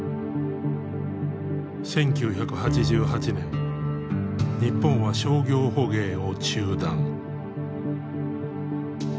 １９８８年日本は商業捕鯨を中断。